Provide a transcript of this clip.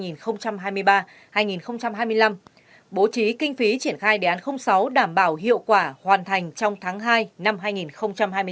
năm hai nghìn hai mươi năm bố trí kinh phí triển khai đề án sáu đảm bảo hiệu quả hoàn thành trong tháng hai năm hai nghìn hai mươi bốn